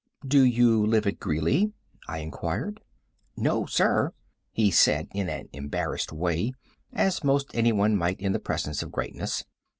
"Do you live at Greeley?" I inquired. "No, sir," he said, in an embarrassed way, as most anyone might in the presence of greatness.